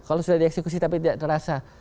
kalau sudah dieksekusi tapi tidak terasa